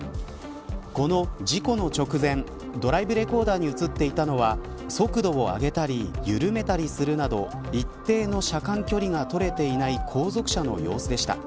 この事故の直前ドライブレコーダーに映っていたのは速度を上げたり緩めたりするなど一定の車間距離が取れていない後続車の様子でした。